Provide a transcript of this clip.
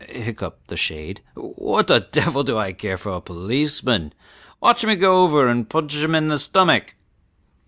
hiccoughed the shade, "What the devil do I care for a policeman? Watch me go over and punch him in the stomach."